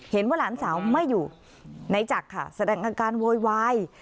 เห็นว่าหลานสาวไม่อยู่ไหนจักรค่ะแสดงอาการโวยวาย